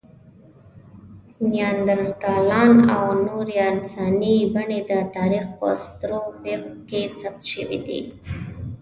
نیاندرتالان او نورې انساني بڼې د تاریخ په سترو پېښو کې ثبت شوي دي.